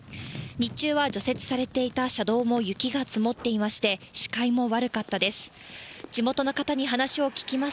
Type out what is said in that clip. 日中は除雪されていた車道も雪が積もっていまして、視界も悪かったです。